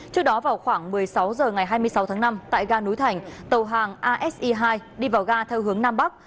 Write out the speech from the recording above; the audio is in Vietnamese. trước đó vào khoảng một mươi sáu h ngày hai mươi sáu tháng năm tại ga núi thành tàu hàng ase hai đi vào ga theo hướng nam bắc